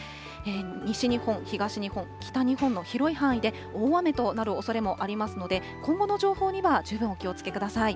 西日本、東日本、北日本の広い範囲で大雨となるおそれもありますので、今後の情報には十分お気をつけください。